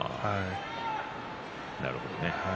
なるほどね。